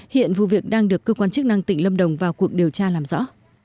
hiện vụ việc đang được cơ quan chức năng tỉnh lâm đồng vào cuộc điều tra làm rõ